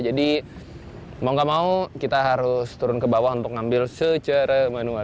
jadi mau gak mau kita harus turun ke bawah untuk ngambil secara manual